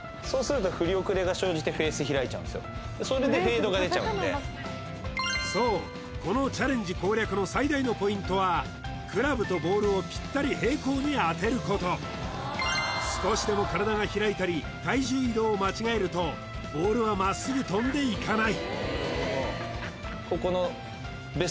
早速僕の場合このそうするとそうこのチャレンジ攻略の最大のポイントはクラブとボールをピッタリ平行に当てること少しでも体が開いたり体重移動を間違えるとボールはまっすぐ飛んでいかない